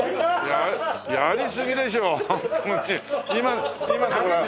やりすぎでしょう。